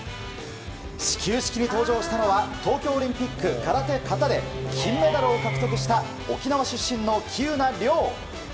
始球式に登場したのは東京オリンピック空手形で金メダルを獲得した沖縄出身の喜友名諒。